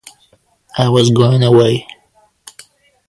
I was going away.